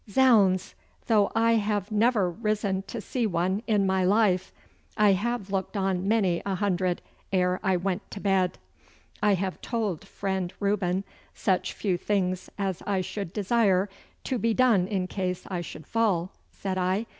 Zounds! though I have never risen to see one in my life, I have looked on many a hundred ere I went to bed.' 'I have told friend Reuben such few things as I should desire to be done in case I should fall,' said I.